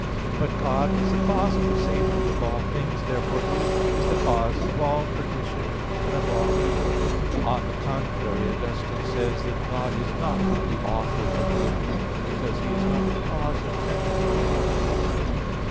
But God is the cause of the safety of all things. Therefore He is the cause of all perdition and of all evil. On the contrary, Augustine says (QQ. 83, qu. 21), that, "God is not the author of evil because He is not the cause of tending to not being."